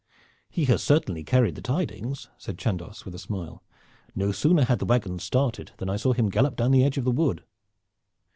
"He has certainly carried the tidings," said Chandos, with a smile. "No sooner had the wagons started than I saw him gallop down the edge of the wood."